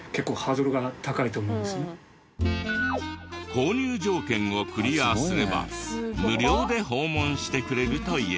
購入条件をクリアすれば無料で訪問してくれるという。